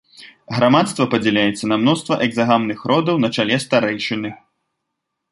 Грамадства падзяляецца на мноства экзагамных родаў на чале старэйшыны.